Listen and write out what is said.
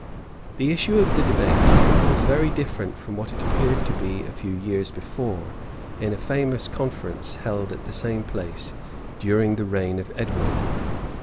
[*] The issue of the debate was very different from what it appeared to be a few years before, in a famous conference held at the same place during the reign of Edward.